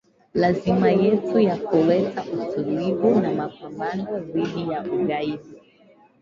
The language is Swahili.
Lazima yetu ya kuleta utulivu na mapambano dhidi ya ugaidi